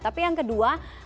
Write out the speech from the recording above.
tapi yang kedua